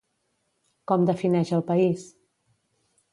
Com defineix al país?